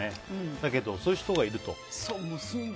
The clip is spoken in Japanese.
だけど、そういう人がいると？